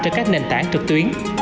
trên các nền tảng trực tuyến